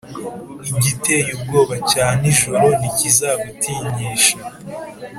igiteye ubwoba cya nijoro ntikizagutinyisha,